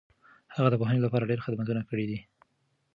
هغه د پوهنې لپاره ډېر خدمتونه کړي دي.